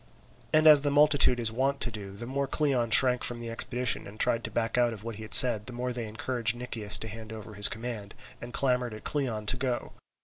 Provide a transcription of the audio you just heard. And as the multitude is wont to do, the more Cleon shrank from the expedition and tried to back out of what he had said, the more they encouraged Nicias to hand over his command, and clamoured at Cleon to go.